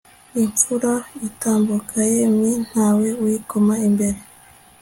imfura itambuka yemye ntawe uyikoma imbere